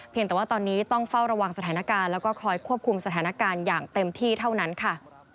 แต่ว่าตอนนี้ต้องเฝ้าระวังสถานการณ์แล้วก็คอยควบคุมสถานการณ์อย่างเต็มที่เท่านั้นค่ะ